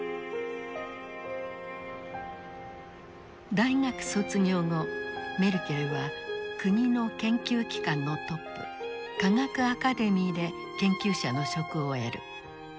大学卒業後メルケルは国の研究機関のトップ科学アカデミーで研究者の職を得る。